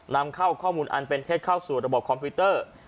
นำเข้าข้อมูลอันเป็นเท็จเข้าสู่ระบบคอมพิวเตอร์